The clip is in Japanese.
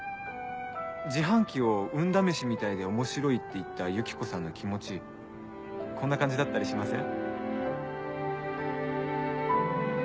自販機を運試しみたいで面白いって言ったユキコさんの気持ちこんな感じだったりしません？